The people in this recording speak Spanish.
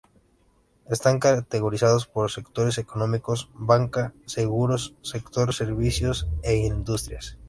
Están categorizados por sectores económicos: banca, seguros, sector servicios e industrial.